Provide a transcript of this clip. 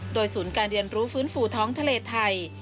โดยศูนย์การเรียนรู้ฟื้นฟูท้องทะเลไทย